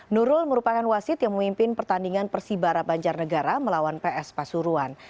nurul merupakan wasid yang memimpin pertandingan persibara banjar negara melawan ps pasuruan